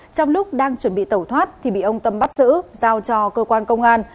trong lúc đang chuẩn bị tẩu thoát thì bị ông tâm bắt giữ giao cho cơ quan công an